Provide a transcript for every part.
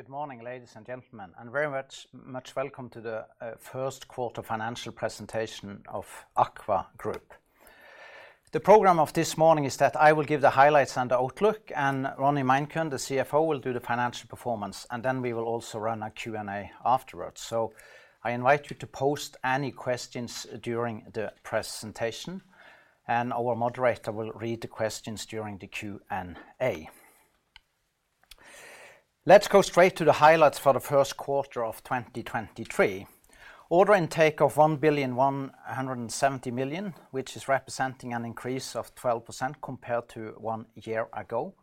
Good morning, ladies and gentlemen, and very much welcome to the first quarter financial presentation of AKVA Group. The program of this morning is that I will give the highlights and outlook. Ronny Meinkøhn, the CFO, will do the financial performance. We will also run a Q&A afterwards. I invite you to post any questions during the presentation. Our moderator will read the questions during the Q&A. Let's go straight to the highlights for the first quarter of 2023. Order intake of 1.17 billion, which is representing an increase of 12% compared to one year ago.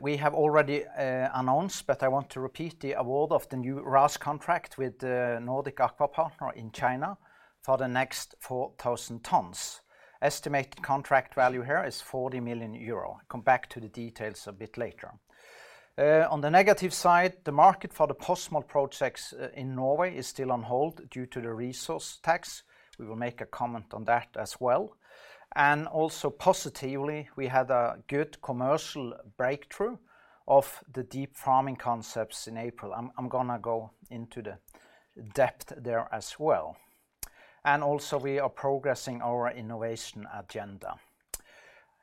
We have already announced, I want to repeat the award of the new RAS contract with the Nordic Aqua Partners in China for the next 4,000 tons. Estimated contract value here is 40 million euro. Come back to the details a bit later. On the negative side, the market for the post-smolt projects in Norway is still on hold due to the resource rent tax. We will make a comment on that as well. Positively, we had a good commercial breakthrough of the deep farming concepts in April. I'm gonna go into the depth there as well. Also, we are progressing our innovation agenda.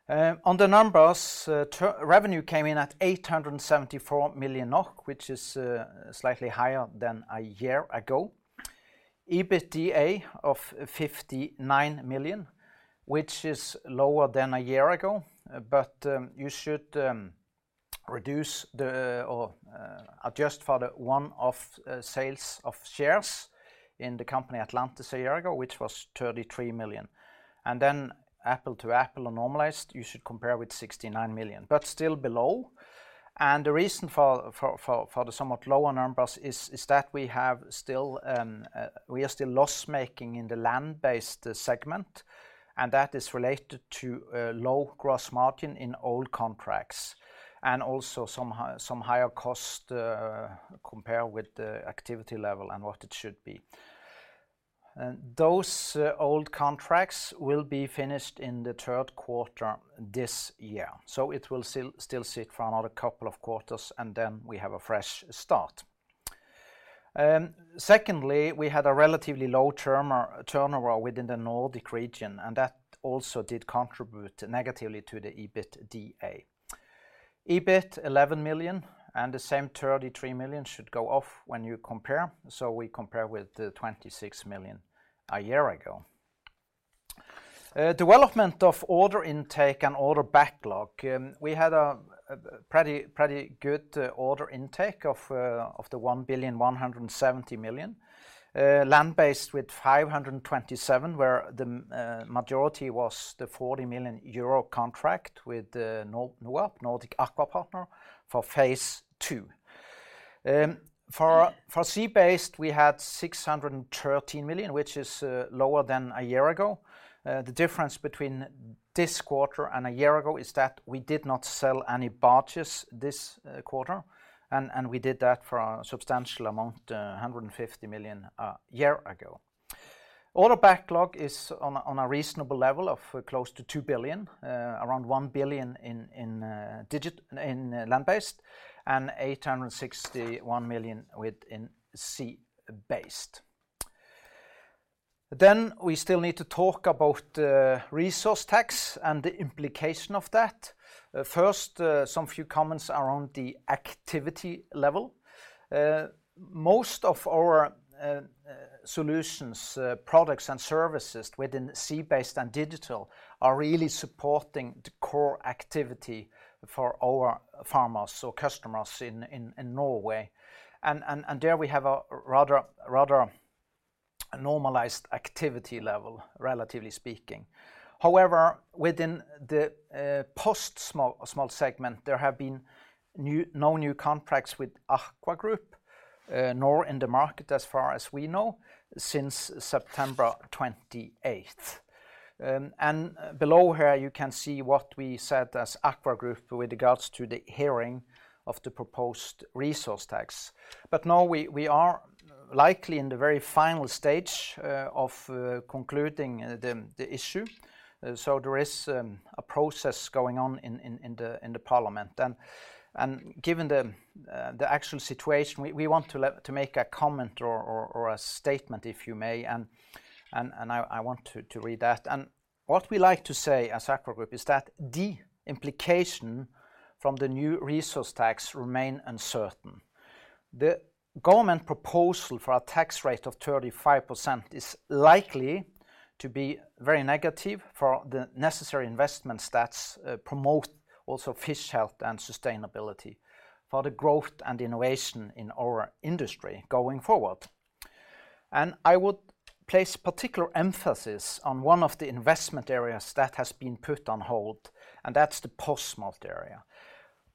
On the numbers, revenue came in at 874 million, which is slightly higher than a year ago. EBITDA of 59 million, which is lower than a year ago. you should reduce or adjust for the one-off sales of shares in the company Atlantis a year ago, which was 33 million. apple to apple or normalized, you should compare with 69 million, but still below. The reason for the somewhat lower numbers is that we are still loss-making in the land-based segment, and that is related to low gross margin in old contracts and also some higher cost compare with the activity level and what it should be. Those old contracts will be finished in the 3rd quarter this year. It will still sit for another 2 quarters, and then we have a fresh start. Secondly, we had a relatively low turnover within the Nordic region, and that also did contribute negatively to the EBITDA. EBIT 11 million and the same 33 million should go off when you compare. We compare with the 26 million a year ago. Development of order intake and order backlog. We had a pretty good order intake of 1,170 million. Land-based with 527 million, where the majority was the 40 million euro contract with the NUP, Nordic Aqua Partners, for phase two. For sea-based, we had 613 million, which is lower than a year ago. The difference between this quarter and a year ago is that we did not sell any barges this quarter, and we did that for a substantial amount, 150 million, a year ago. Order backlog is on a reasonable level of close to 2 billion. Around 1 billion in land-based and 861 million within sea-based. We still need to talk about the resource rent tax and the implication of that. First, some few comments around the activity level. Most of our solutions, products and services within sea-based and digital are really supporting the core activity for our farmers or customers in Norway. There we have a rather normalized activity level, relatively speaking. However, within the post-smolt segment, there have been no new contracts with AKVA Group, nor in the market as far as we know since September 28th. Below here you can see what we said as AKVA Group with regards to the hearing of the proposed resource tax. Now we are likely in the very final stage of concluding the issue. There is a process going on in the Parliament. Given the actual situation, we want to make a comment or a statement, if you may, and I want to read that. What we like to say as AKVA Group is that the implication from the new resource tax remain uncertain. The government proposal for a tax rate of 35% is likely to be very negative for the necessary investments that promote also fish health and sustainability for the growth and innovation in our industry going forward. I would place particular emphasis on one of the investment areas that has been put on hold, and that's the post-smolt area.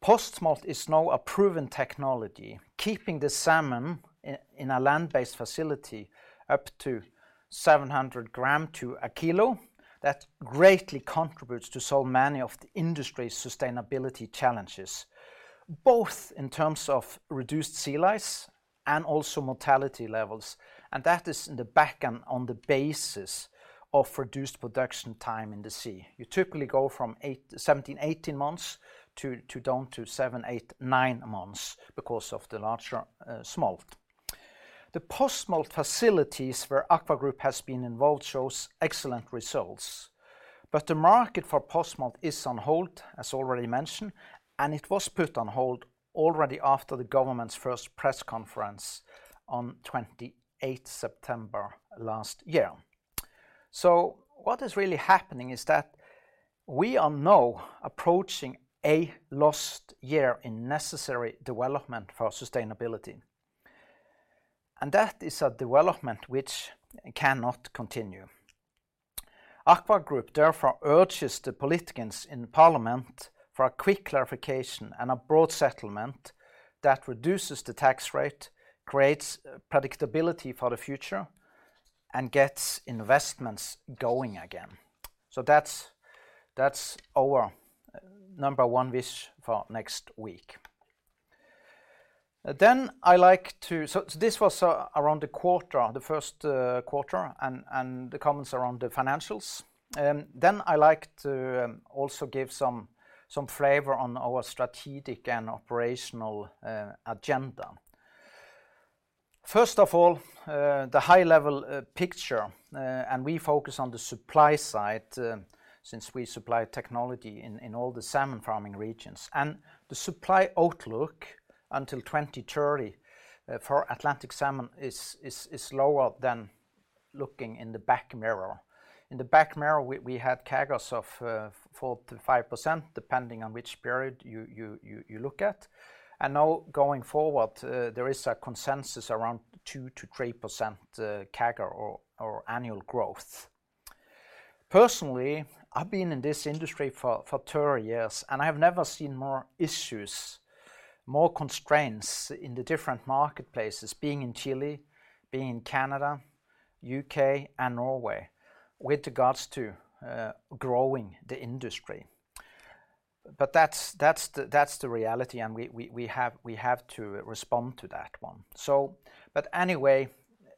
Post-smolt is now a proven technology, keeping the salmon in a land-based facility up to 700 gram to 1 kilo. That greatly contributes to so many of the industry's sustainability challenges, both in terms of reduced sea lice and also mortality levels. That is in the back and on the basis of reduced production time in the sea. You typically go from 17-18 months down to 7, 8, 9 months because of the larger smolt. The post-smolt facilities where AKVA Group has been involved shows excellent results. The market for post-smolt is on hold, as already mentioned, and it was put on hold already after the government's first press conference on September 28 last year. What is really happening is that we are now approaching a lost year in necessary development for sustainability. That is a development which cannot continue. AKVA Group therefore urges the politicians in parliament for a quick clarification and a broad settlement that reduces the tax rate, creates predictability for the future, and gets investments going again. That's our number 1 wish for next week. This was around the quarter, the first quarter and the comments around the financials. I like to also give some flavor on our strategic and operational agenda. First of all, the high level picture, and we focus on the supply side, since we supply technology in all the salmon farming regions. The supply outlook until 2030 for Atlantic salmon is lower than looking in the back mirror. In the back mirror we had CAGRs of 4%-5% depending on which period you look at. Now going forward, there is a consensus around 2%-3% CAGR or annual growth. Personally, I've been in this industry for 30 years, and I've never seen more issues, more constraints in the different marketplaces, being in Chile, being in Canada, U.K. and Norway with regards to growing the industry. That's the reality and we have to respond to that one. Anyway,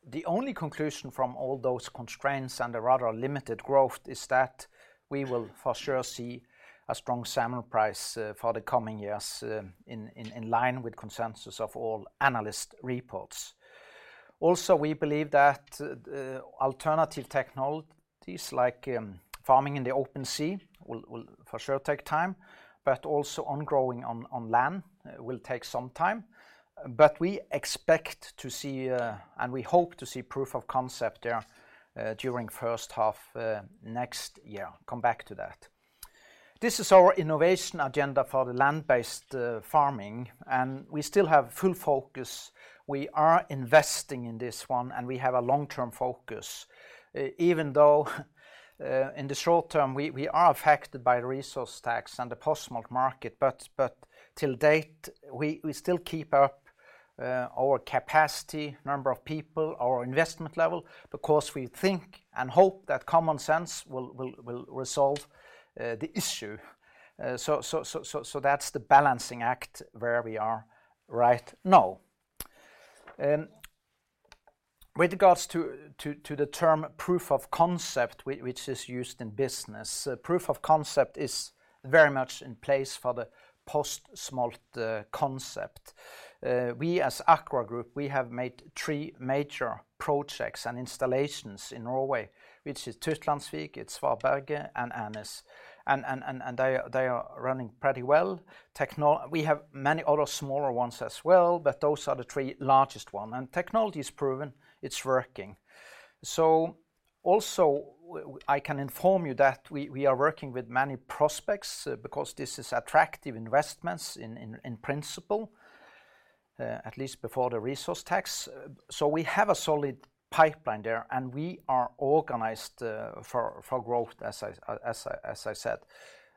the only conclusion from all those constraints and the rather limited growth is that we will for sure see a strong salmon price for the coming years, in line with consensus of all analyst reports. We believe that alternative technologies like farming in the open sea will for sure take time, but also growing on land will take some time. We expect to see and we hope to see proof of concept there during first half next year. Come back to that. This is our innovation agenda for the land-based farming, and we still have full focus. We are investing in this one, and we have a long-term focus. Even though in the short term, we are affected by resource tax and the post-smolt market, but till date, we still keep up our capacity, number of people, our investment level, because we think and hope that common sense will resolve the issue. That's the balancing act where we are right now. With regards to the term proof of concept which is used in business, proof of concept is very much in place for the post-smolt concept. We as AKVA Group, we have made 3 major projects and installations in Norway, which is Tytlandsvik, it's Svarberget, and Ånes. They are running pretty well. We have many other smaller ones as well, but those are the 3 largest one. Technology is proven, it's working. Also I can inform you that we are working with many prospects, because this is attractive investments in principle, at least before the resource rent tax. We have a solid pipeline there, and we are organized for growth, as I said.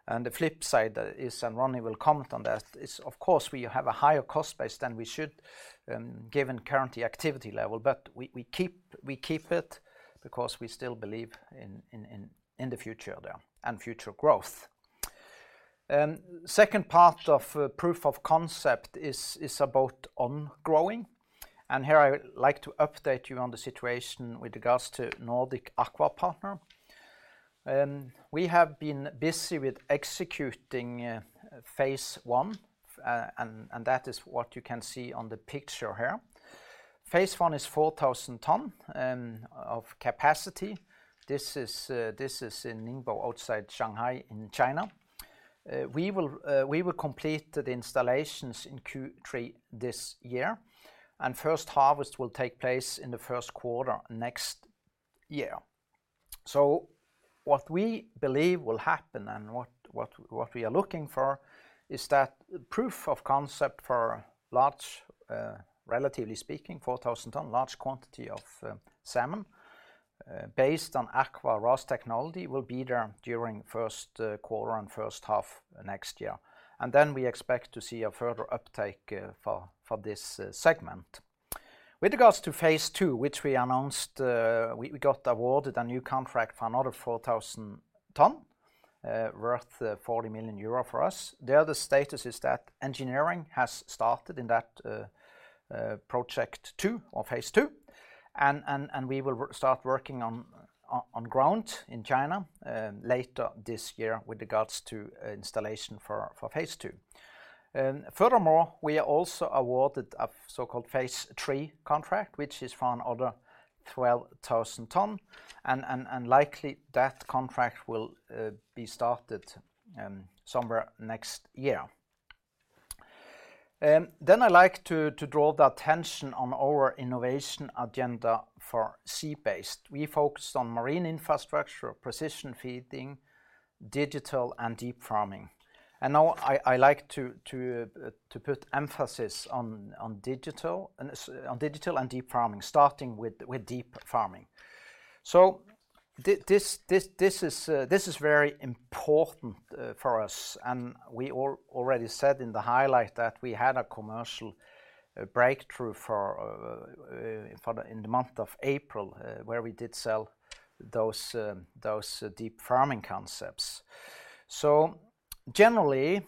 The flip side is, and Ronnie will comment on that, is of course, we have a higher cost base than we should, given current activity level. We keep it because we still believe in the future there and future growth. Second part of proof of concept is about on growing. Here I would like to update you on the situation with regards to Nordic Aqua Partners. We have been busy with executing phase one, and that is what you can see on the picture here. Phase I is 4,000 tons of capacity. This is in Ningbo outside Shanghai in China. We will complete the installations in Q3 this year, and first harvest will take place in the first quarter next year. What we believe will happen and what we are looking for is that proof of concept for large, relatively speaking, 4,000 tons, large quantity of salmon, based on AKVA RAS technology will be there during first quarter and first half next year. We expect to see a further uptake for this segment. With regards to phase two, which we announced, we got awarded a new contract for another 4,000 ton, worth 40 million euro for us. The other status is that engineering has started in that project two, or phase two. We will start working on ground in China later this year with regards to installation for phase two. Furthermore, we are also awarded a so-called phase three contract, which is for another 12,000 ton. Likely that contract will be started somewhere next year. I like to draw the attention on our innovation agenda for sea-based. We focus on marine infrastructure, precision feeding, digital and deep farming. Now I like to put emphasis on digital and deep farming, starting with deep farming. This is very important for us. We already said in the highlight that we had a commercial breakthrough in the month of April, where we did sell those deep farming concepts. Generally,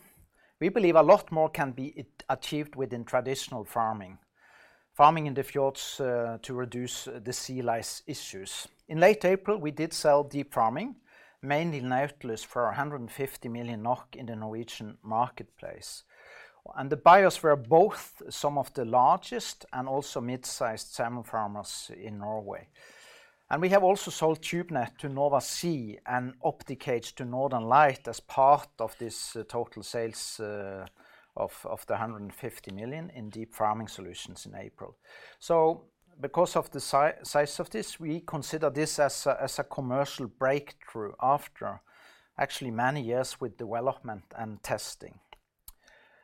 we believe a lot more can be achieved within traditional farming. Farming in the fjords to reduce the sea lice issues. In late April, we did sell deep farming, mainly Nautilus for 150 million NOK in the Norwegian marketplace. The buyers were both some of the largest and also mid-sized salmon farmers in Norway. We have also sold Tubenet to Nova Sea and OptiCage to Northern Light as part of this total sales of the 150 million in deep farming solutions in April. Because of the size of this, we consider this as a commercial breakthrough after actually many years with development and testing.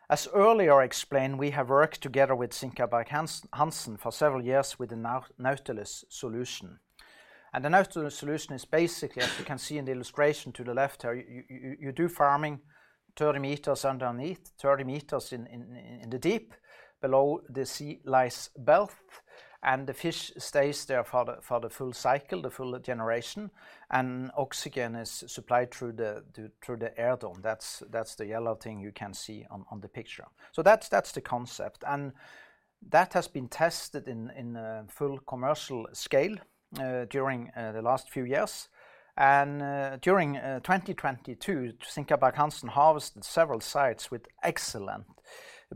As earlier explained, we have worked together with Sinkaberg-Hansen for several years with the Nautilus solution. The Nautilus solution is basically, as you can see in the illustration to the left here, you do farming 30 meters underneath, 30 meters in the deep below the sea lice belt, and the fish stays there for the full cycle, the full generation, and oxygen is supplied through the air dome. That's the yellow thing you can see on the picture. That's the concept. That has been tested in full commercial scale during 2022, Sinkaberg-Hansen harvested several sites with excellent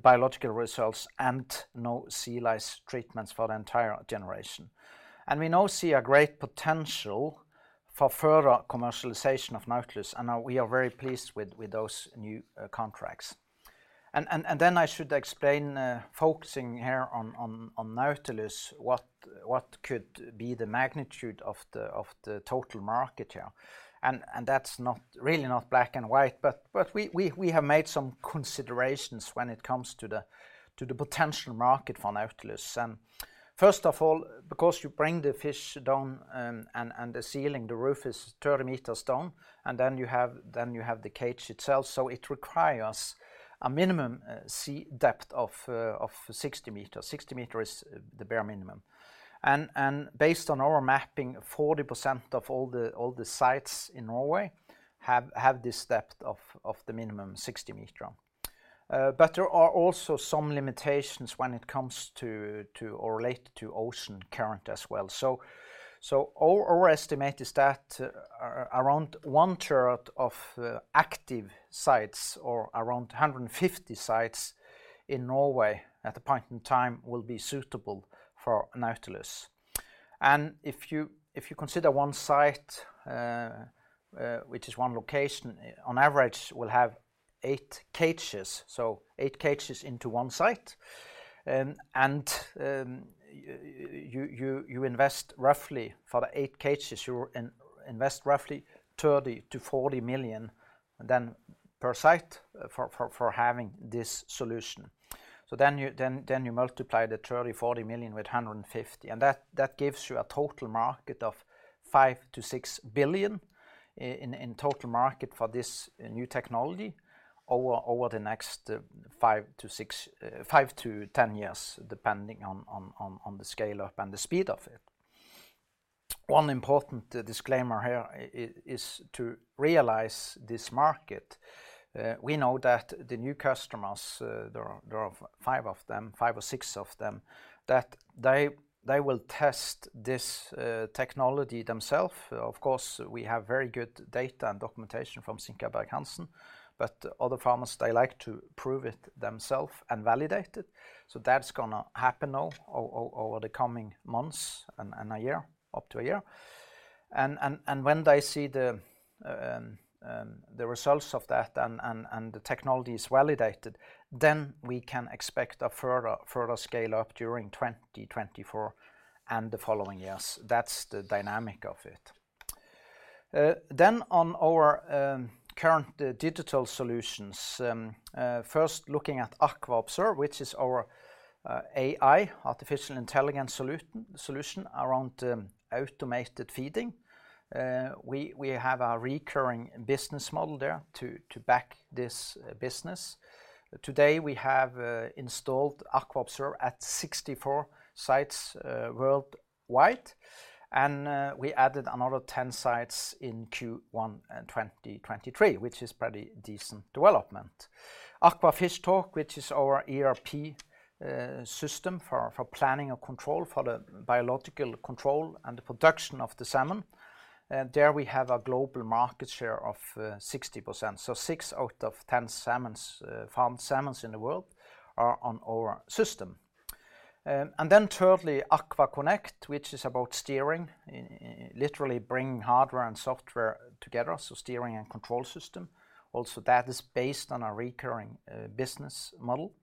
biological results and no sea lice treatments for the entire generation. We now see a great potential for further commercialization of Nautilus, and we are very pleased with those new contracts. Then I should explain focusing here on Nautilus, what could be the magnitude of the total market here. That's not really not black and white, but we have made some considerations when it comes to the potential market for Nautilus. First of all, because you bring the fish down and the ceiling, the roof is 30 meters down, then you have the cage itself. It requires a minimum sea depth of 60 meters. 60 meters is the bare minimum. Based on our mapping, 40% of all the sites in Norway have this depth of the minimum 60 meters. There are also some limitations when it comes to or related to ocean current as well. Our estimate is that around one third of active sites or around 150 sites in Norway at the point in time will be suitable for Nautilus. If you consider one site, which is one location, on average will have eight cages. to one site. And you invest roughly for the eight cages, you invest roughly 30 million-40 million per site for having this solution. Then you multiply the 30 million-40 million with 150. And that gives you a total market of 5 billion-6 billion in total market for this new technology over the next 5-6, 5-10 years, depending on the scale up and the speed of it. One important disclaimer here is to realize this market. We know that the new customers, there are five of them, five or six of them, that they will test this technology themself. Of course, we have very good data and documentation from Sinkaberg-Hansen, other farmers, they like to prove it themself and validate it. That's gonna happen now over the coming months and a year, up to a year. When they see the results of that and the technology is validated, then we can expect a further scale up during 2024 and the following years. That's the dynamic of it. On our current digital solutions, first looking at AKVA Observe, which is our AI, artificial intelligence solution around automated feeding. We have a recurring business model there to back this business. Today we have installed AKVA Observe at 64 sites worldwide, and we added another 10 sites in Q1 2023, which is pretty decent development. AKVA Fishtalk, which is our ERP system for planning of control, for the biological control and the production of the salmon. There we have a global market share of 60%, so 6 out of 10 salmons, farmed salmons in the world are on our system. Thirdly, AKVAconnect, which is about steering, literally bringing hardware and software together, so steering and control system. Also, that is based on a recurring business model.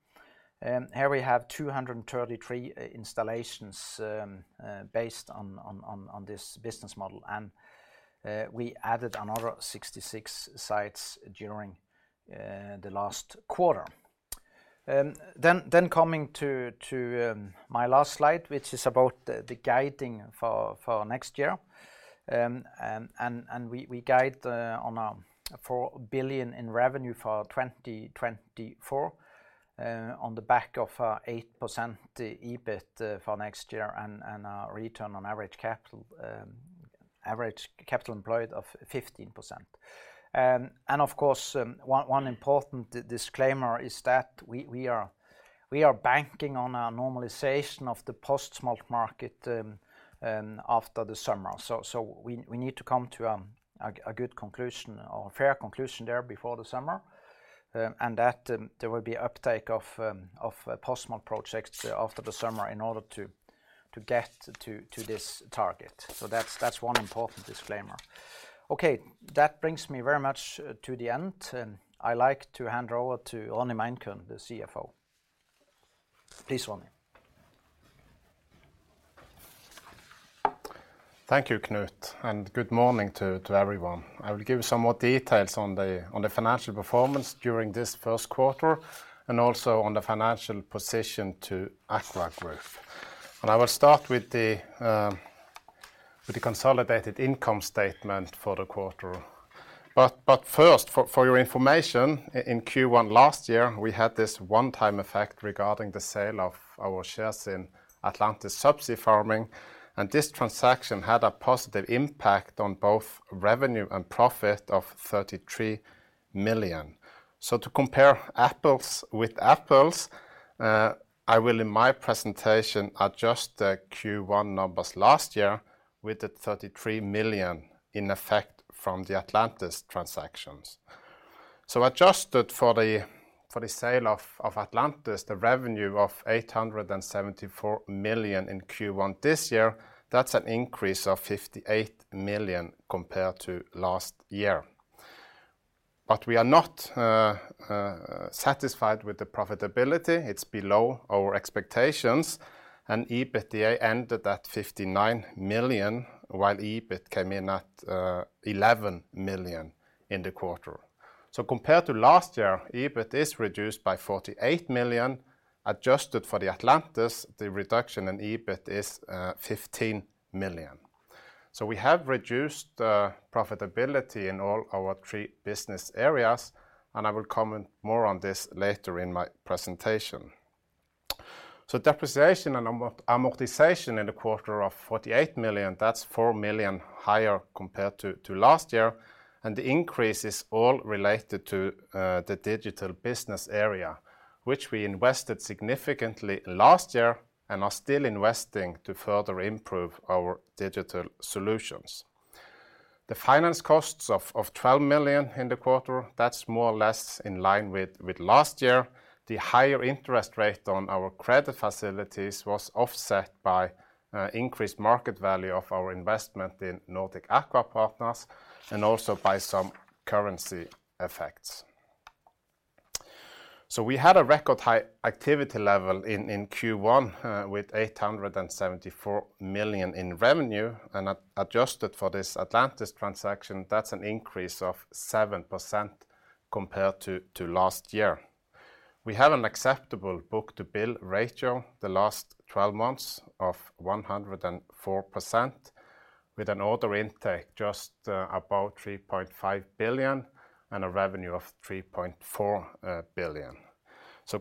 Here we have 233 installations based on this business model, we added another 66 sites during the last quarter. Then coming to my last slide, which is about the guiding for next year. We guide on a 4 billion in revenue for 2024, on the back of 8% EBIT for next year and a return on average capital employed of 15%. Of course, one important disclaimer is that we are banking on a normalization of the post-smolt market after the summer. We need to come to a good conclusion or a fair conclusion there before the summer. That there will be uptake of post-smolt projects after the summer in order to get to this target. That's one important disclaimer. Okay, that brings me very much to the end. I like to hand over to Ronny Meinkøhn, the CFO. Please, Ronny. Thank you, Knut, and good morning to everyone. I will give you some more details on the financial performance during this first quarter, and also on the financial position to AKVA Group. I will start with the consolidated income statement for the quarter. First, for your information, in Q1 last year, we had this one-time effect regarding the sale of our shares in Atlantis Subsea Farming, and this transaction had a positive impact on both revenue and profit of 33 million. To compare apples with apples, I will in my presentation adjust the Q1 numbers last year with the 33 million in effect from the Atlantis transactions. Adjusted for the, for the sale of Atlantis, the revenue of 874 million in Q1 this year, that's an increase of 58 million compared to last year. We are not satisfied with the profitability. It's below our expectations, and EBITDA ended at 59 million, while EBIT came in at 11 million in the quarter. Compared to last year, EBIT is reduced by 48 million. Adjusted for the Atlantis, the reduction in EBIT is 15 million. We have reduced the profitability in all our three business areas, and I will comment more on this later in my presentation. Depreciation and amortization in the quarter of 48 million, that's 4 million higher compared to last year, and the increase is all related to the digital business area, which we invested significantly last year and are still investing to further improve our digital solutions. The finance costs of 12 million in the quarter, that's more or less in line with last year. The higher interest rate on our credit facilities was offset by increased market value of our investment in Nordic Aqua Partners and also by some currency effects. We had a record high activity level in Q1 with 874 million in revenue, and adjusted for this Atlantis transaction, that's an increase of 7% compared to last year. We have an acceptable book-to-bill ratio the last 12 months of 104%, with an order intake just above 3.5 billion and a revenue of 3.4 billion.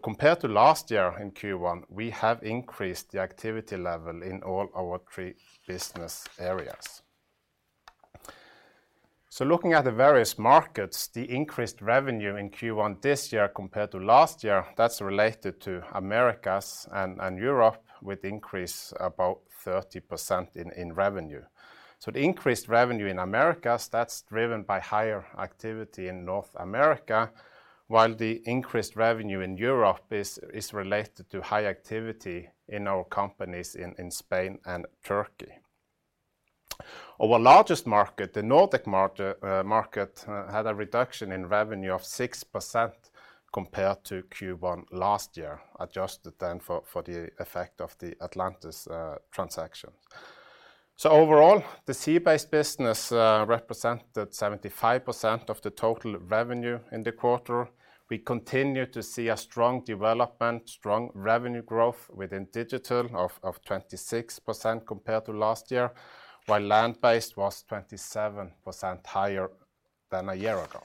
Compared to last year in Q1, we have increased the activity level in all our three business areas. Looking at the various markets, the increased revenue in Q1 this year compared to last year, that's related to Americas and Europe with increase about 30% in revenue. The increased revenue in Americas, that's driven by higher activity in North America, while the increased revenue in Europe is related to high activity in our companies in Spain and Turkey. Our largest market, the Nordic market, had a reduction in revenue of 6% compared to Q1 last year, adjusted then for the effect of the Atlantis transaction. Overall, the Sea Based business represented 75% of the total revenue in the quarter. We continue to see a strong development, strong revenue growth within digital of 26% compared to last year, while Land-Based was 27% higher than a year ago.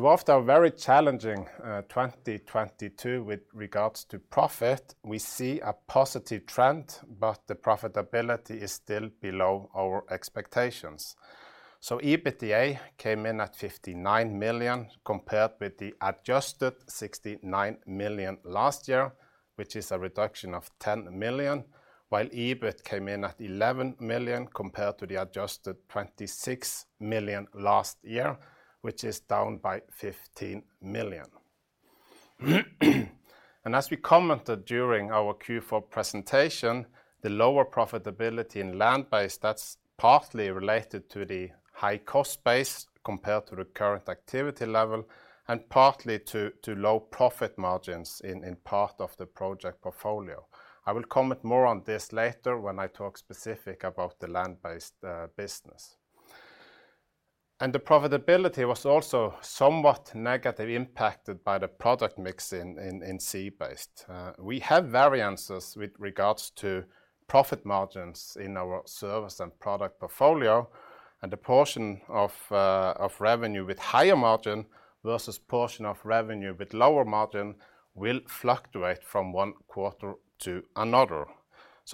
After a very challenging 2022 with regards to profit, we see a positive trend, but the profitability is still below our expectations. EBITDA came in at 59 million compared with the adjusted 69 million last year, which is a reduction of 10 million, while EBIT came in at 11 million compared to the adjusted 26 million last year, which is down by 15 million. As we commented during our Q4 presentation, the lower profitability in Land-Based, that's partly related to the high cost base compared to the current activity level, and partly to low profit margins in part of the project portfolio. I will comment more on this later when I talk specific about the Land-Based business. The profitability was also somewhat negatively impacted by the product mix in Sea Based. We have variances with regards to profit margins in our service and product portfolio, and the portion of revenue with higher margin versus portion of revenue with lower margin will fluctuate from one quarter to another.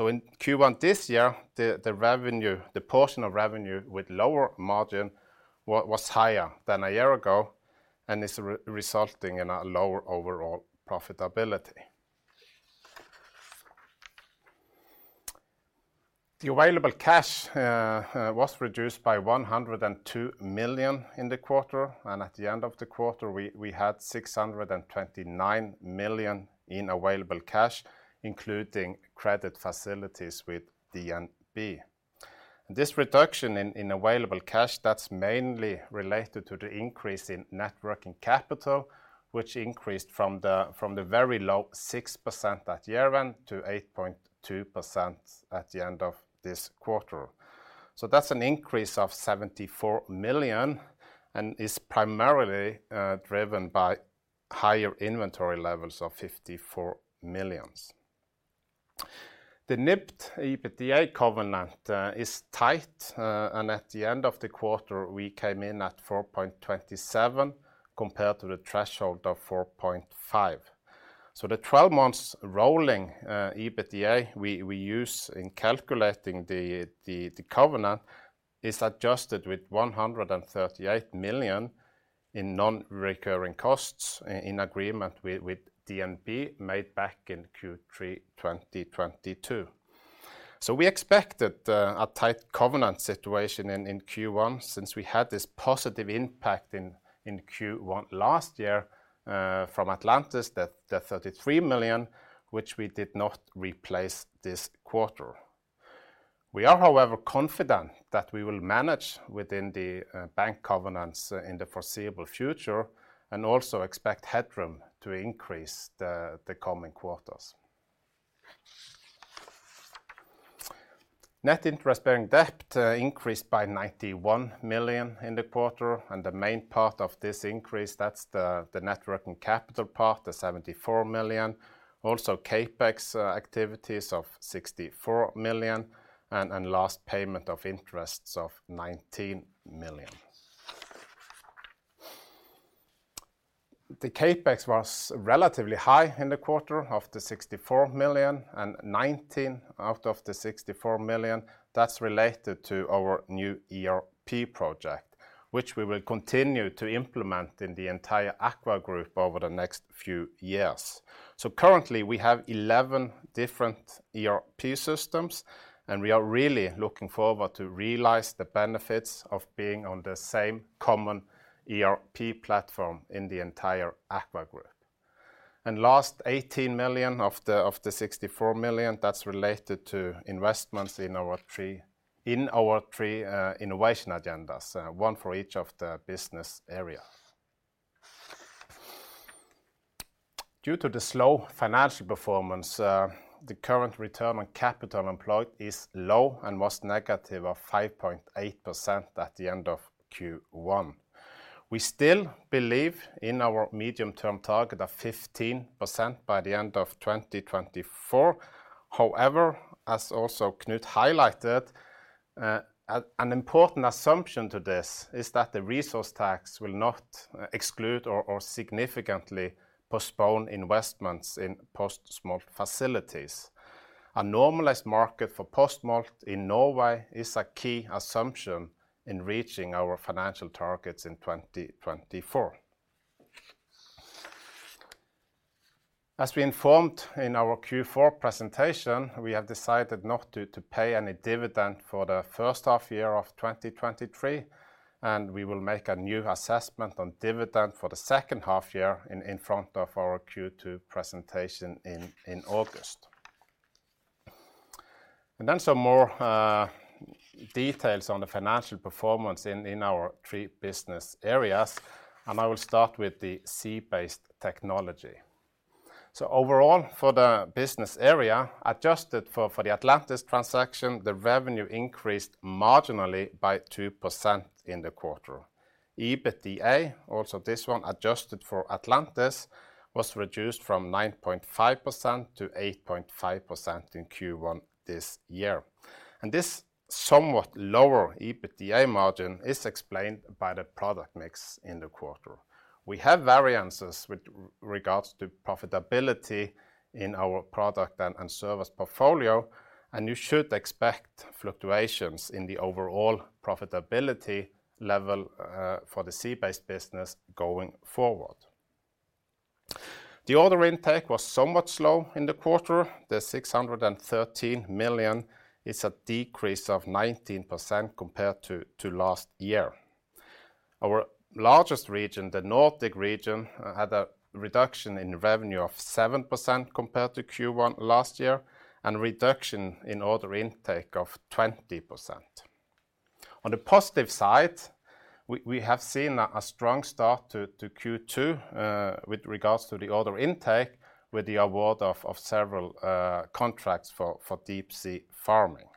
In Q1 this year, the portion of revenue with lower margin was higher than a year ago and is resulting in a lower overall profitability. The available cash was reduced by 102 million in the quarter, and at the end of the quarter, we had 629 million in available cash, including credit facilities with DNB. This reduction in available cash, that's mainly related to the increase in net working capital, which increased from the very low 6% at year-end to 8.2% at the end of this quarter. That's an increase of 74 million and is primarily driven by higher inventory levels of 54 million. The NIBD, EBITDA covenant is tight, and at the end of the quarter, we came in at 4.27 compared to the threshold of 4.5. The 12 months rolling EBITDA we use in calculating the covenant is adjusted with 138 million in non-recurring costs in agreement with DNB made back in Q3 2022. We expected a tight covenant situation in Q1 since we had this positive impact in Q1 last year from Atlantis, the 33 million, which we did not replace this quarter. We are, however, confident that we will manage within the bank covenants in the foreseeable future and also expect headroom to increase the coming quarters. Net interest bearing debt increased by 91 million in the quarter. The main part of this increase, that's the net working capital part, the 74 million. Also CapEx activities of 64 million and last payment of interests of 19 million. The CapEx was relatively high in the quarter of the 64 million, 19 out of the 64 million, that's related to our new ERP project, which we will continue to implement in the entire AKVA Group over the next few years. Currently, we have 11 different ERP systems, and we are really looking forward to realize the benefits of being on the same common ERP platform in the entire AKVA Group. Last 18 million of the 64 million, that's related to investments in our 3 innovation agendas, one for each of the business areas. Due to the slow financial performance, the current return on capital employed is low and was negative of 5.8% at the end of Q1. We still believe in our medium-term target of 15% by the end of 2024. However, as also Knut highlighted, an important assumption to this is that the resource tax will not exclude or significantly postpone investments in post-smolt facilities. A normalized market for post-smolt in Norway is a key assumption in reaching our financial targets in 2024. As we informed in our Q4 presentation, we have decided not to pay any dividend for the first half year of 2023, and we will make a new assessment on dividend for the second half year in front of our Q2 presentation in August. Then some more details on the financial performance in our three business areas, and I will start with the sea-based technology. Overall, for the business area, adjusted for the Atlantis transaction, the revenue increased marginally by 2% in the quarter. EBITDA, also this one adjusted for Atlantis, was reduced from 9.5-8.5% in Q1 this year. This somewhat lower EBITDA margin is explained by the product mix in the quarter. We have variances with regards to profitability in our product and service portfolio, and you should expect fluctuations in the overall profitability level for the sea-based business going forward. The order intake was somewhat slow in the quarter. The 613 million is a decrease of 19% compared to last year. Our largest region, the Nordic region, had a reduction in revenue of 7% compared to Q1 last year, and reduction in order intake of 20%. On the positive side, we have seen a strong start to Q2 with regards to the order intake, with the award of several contracts for deep-sea farming.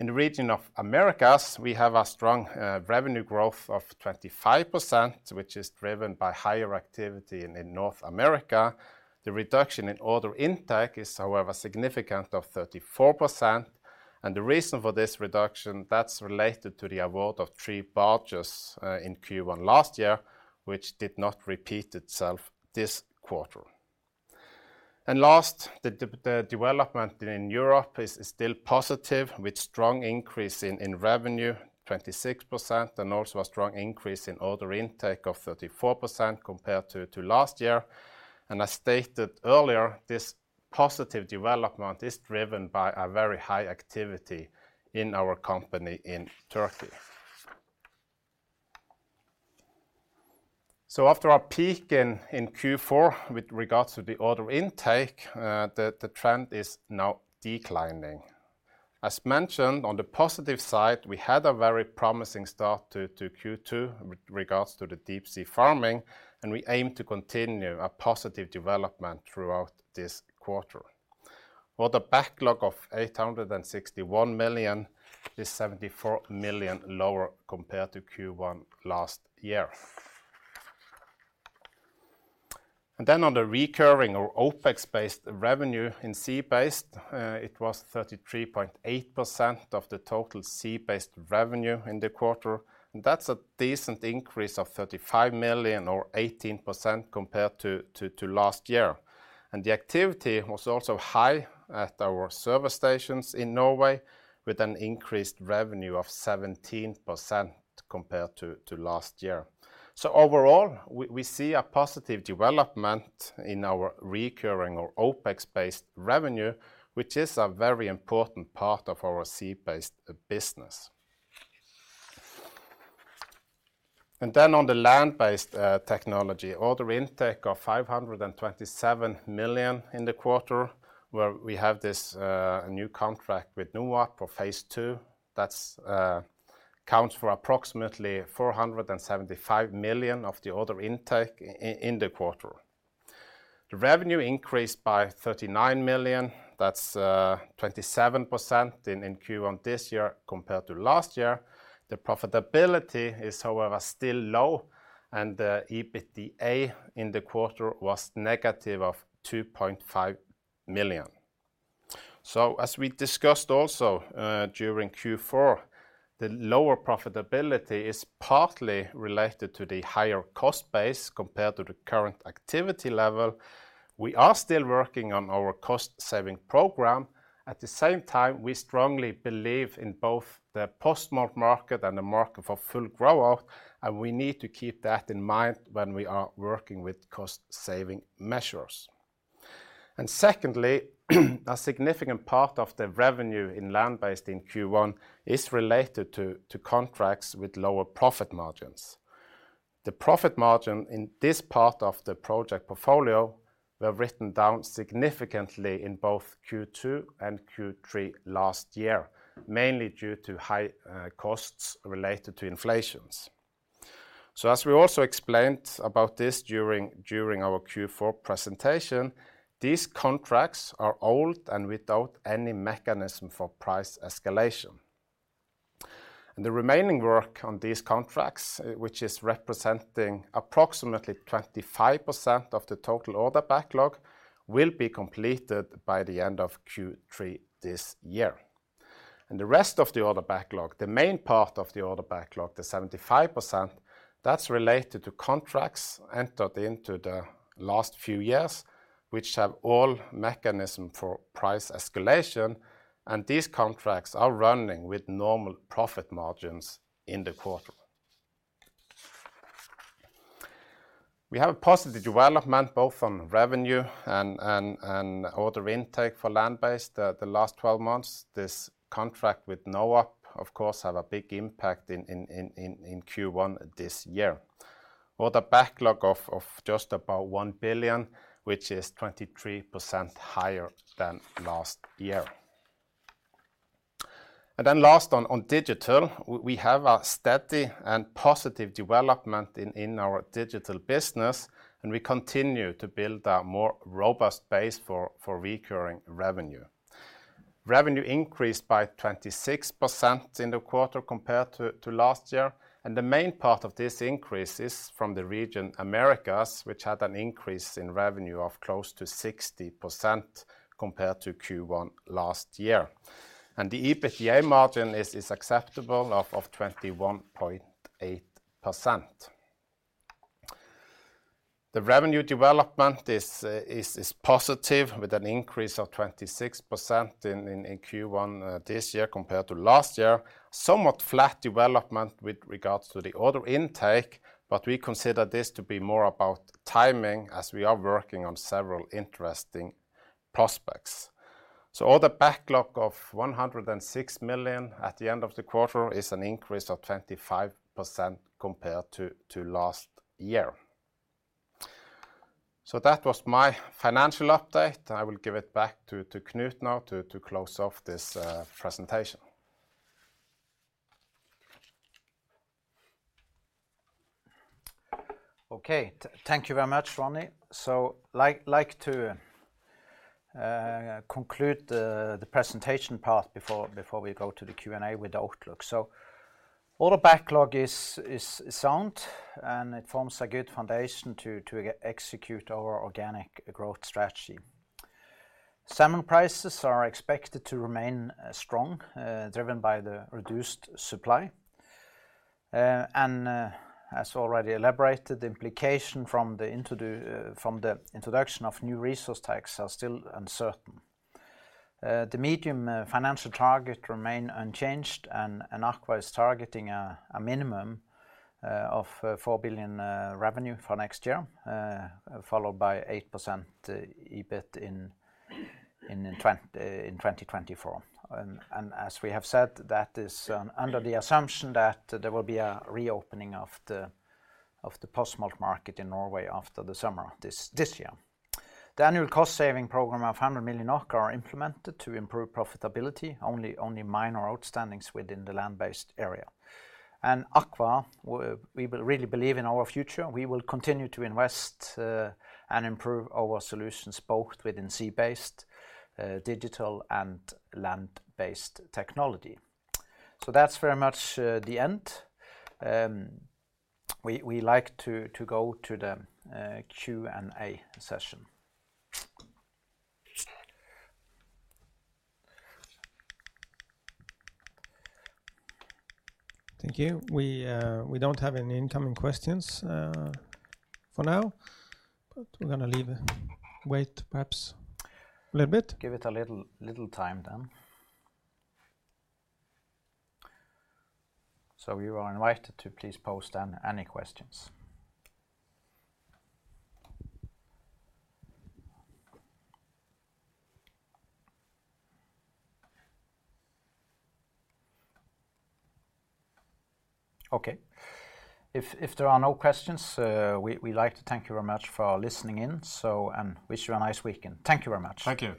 In the region of Americas, we have a strong revenue growth of 25%, which is driven by higher activity in North America. The reduction in order intake is, however, significant of 34%. The reason for this reduction, that's related to the award of 3 barges in Q1 last year, which did not repeat itself this quarter. Last, the development in Europe is still positive with strong increase in revenue, 26%, and also a strong increase in order intake of 34% compared to last year. I stated earlier, this positive development is driven by a very high activity in our company in Turkey. After our peak in Q4, with regards to the order intake, the trend is now declining. As mentioned, on the positive side, we had a very promising start to Q2 with regards to the deep-sea farming, and we aim to continue a positive development throughout this quarter. While the backlog of 861 million is 74 million lower compared to Q1 last year. On the recurring or OpEx-based revenue in sea-based, it was 33.8% of the total sea-based revenue in the quarter. That's a decent increase of 35 million or 18% compared to last year. The activity was also high at our service stations in Norway with an increased revenue of 17% compared to last year. Overall, we see a positive development in our recurring or OpEx-based revenue, which is a very important part of our sea-based business. On the land-based technology, order intake of 527 million in the quarter, where we have this new contract with NOAP for phase II. That counts for approximately 475 million of the order intake in the quarter. The revenue increased by 39 million, that's 27% in Q1 this year compared to last year. The profitability is, however, still low, and the EBITDA in the quarter was negative of 2.5 million. As we discussed also, during Q4, the lower profitability is partly related to the higher cost base compared to the current activity level. We are still working on our cost-saving program. At the same time, we strongly believe in both the post-smolt market and the market for full grow-out, and we need to keep that in mind when we are working with cost-saving measures. Secondly, a significant part of the revenue in land-based in Q1 is related to contracts with lower profit margins. The profit margin in this part of the project portfolio were written down significantly in both Q2 and Q3 last year, mainly due to high costs related to inflation. As we also explained about this during our Q4 presentation, these contracts are old and without any mechanism for price escalation. The remaining work on these contracts, which is representing approximately 25% of the total order backlog, will be completed by the end of Q3 this year. The rest of the order backlog, the main part of the order backlog, the 75%, that's related to contracts entered into the last few years, which have all mechanism for price escalation, and these contracts are running with normal profit margins in the quarter. We have a positive development both on revenue and order intake for land-based, the last 12 months. This contract with Nordic Aqua Partners, of course, have a big impact in Q1 this year. The backlog of just about 1 billion, which is 23% higher than last year. Last on digital, we have a steady and positive development in our digital business, and we continue to build a more robust base for recurring revenue. Revenue increased by 26% in the quarter compared to last year, and the main part of this increase is from the region Americas, which had an increase in revenue of close to 60% compared to Q1 last year. The EBITDA margin is acceptable of 21.8%. The revenue development is positive with an increase of 26% in Q1 this year compared to last year. Somewhat flat development with regards to the order intake, we consider this to be more about timing as we are working on several interesting prospects. Order backlog of 106 million at the end of the quarter is an increase of 25% compared to last year. That was my financial update, and I will give it back to Knut now to close off this presentation. Okay. Thank you very much, Ronny. Like to conclude the presentation part before we go to the Q&A with outlook. Order backlog is sound, and it forms a good foundation to execute our organic growth strategy. Salmon prices are expected to remain strong, driven by the reduced supply. As already elaborated, the implication from the introduction of new resource tax are still uncertain. The medium financial target remain unchanged, and AKVA is targeting a minimum of 4 billion revenue for next year, followed by 8% EBIT in 2024. As we have said, that is under the assumption that there will be a reopening of the post-smolt market in Norway after the summer this year. The annual cost-saving program of 100 million NOK are implemented to improve profitability, only minor outstandings within the land-based area. AKVA, we really believe in our future. We will continue to invest and improve our solutions both within sea-based, digital, and land-based technology. That's very much the end. We like to go to the Q&A session. Thank you. We, we don't have any incoming questions, for now, but we're gonna leave and wait perhaps a little bit. Give it a little time then. You are invited to please post any questions. Okay. If there are no questions, we like to thank you very much for listening in, so, and wish you a nice weekend. Thank you very much. Thank you.